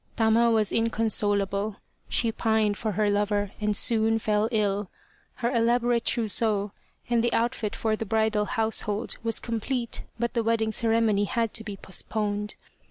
Tama was inconsolable. She pined for her lover and soon fell ill. Her elaborate trousseau and the outfit for the bridal household was complete but the wedding ceremony had to be postponed.